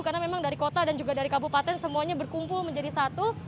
karena memang dari kota dan juga dari kabupaten semuanya berkumpul menjadi satu